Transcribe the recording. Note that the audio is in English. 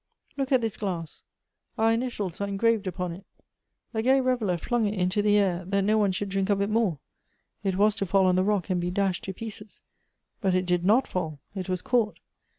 Look at this glass; our initials are engraved upon it. A gay reveller flung it into the air, that no one should diink of it more. It was to fall on the rock and be dashed to pieces ; but it did not fall ; it was caught.